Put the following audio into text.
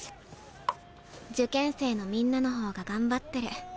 受験生のみんなの方が頑張ってる。